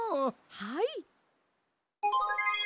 はい。